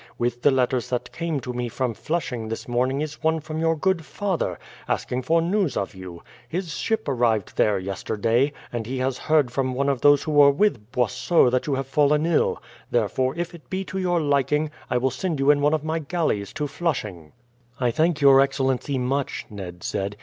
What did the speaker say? With the letters that came to me from Flushing this morning is one from your good father, asking for news of you. His ship arrived there yesterday, and he has heard from one of those who were with Boisot that you have fallen ill; therefore, if it be to your liking, I will send you in one of my galleys to Flushing." "I thank your excellency much," Ned said.